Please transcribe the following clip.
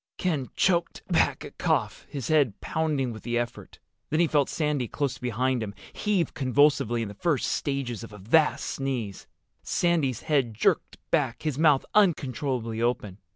Ken choked back a cough, his head pounding with the effort. Then he felt Sandy, close beside him, heave convulsively in the first stages of a vast sneeze. Sandy's head jerked back, his mouth uncontrollably open.